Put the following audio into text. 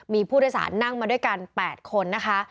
มีผู้โดยสารนั่งมาด้วยกัน๘คนนะคะ